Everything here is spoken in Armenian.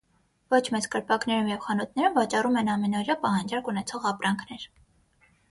Ոչ մեծ կրպակներում և խանութներում վաճառում են ամենօրյա պահանջարկ ունեցող ապրանքներ։